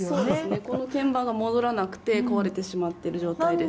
この鍵盤が戻らなくて、壊れてしまっている状態です。